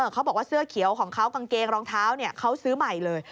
เขาบอกว่าเสื้อเขียวของเขากางเกงรองเท้าเขาซื้อใหม่เลย